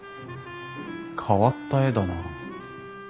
変わった絵だなあ。